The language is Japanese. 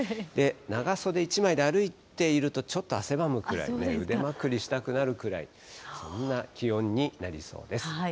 長袖１枚で歩いているとちょっと汗ばむくらい、腕まくりしたくなるくらい、そんな気温になりそうです。